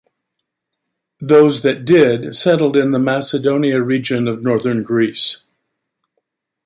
Those that did settled in the Macedonia region of Northern Greece.